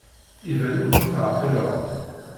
Iban ur tt-teɛqileḍ.